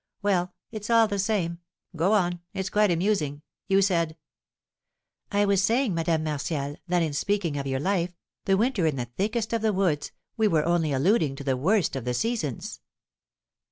Well, it's all the same; go on, it's quite amusing. You said " "I was saying, Madame Martial, that in speaking of your life, the winter in the thickest of the woods, we were only alluding to the worst of the seasons."